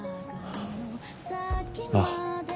ああ。